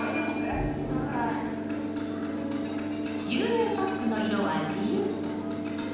牛乳パックの色は自由。